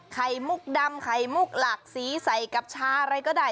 มุกดำไข่มุกหลากสีใส่กับชาอะไรก็ได้